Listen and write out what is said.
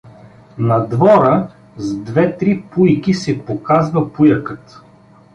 На двора, с две-три пуйки, се показва пуякът.